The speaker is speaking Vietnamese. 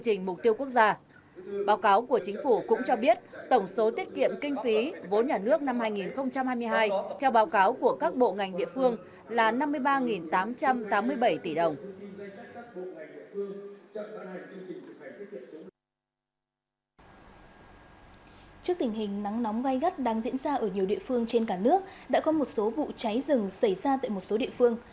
trước tình hình nắng nóng gai gắt đang diễn ra ở nhiều địa phương trên cả nước đã có một số vụ cháy rừng xảy ra tại một số địa phương